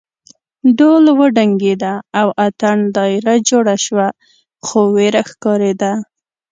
ډول وډنګېد او اتڼ دایره جوړه شوه خو وېره ښکارېده.